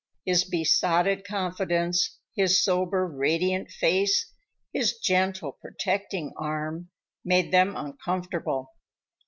His besotted confidence, his sober, radiant face, his gentle, protecting arm, made them uncomfortable.